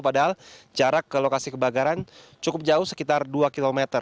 padahal jarak ke lokasi kebakaran cukup jauh sekitar dua km